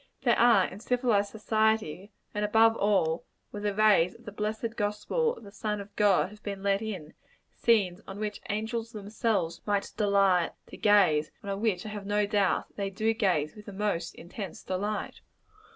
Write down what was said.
There are, in civilized society and above all, where the rays of the blessed gospel of the Son of God have been let in scenes on which angels themselves might delight to gaze, and on which I have no doubt they do gaze with the most intense delight.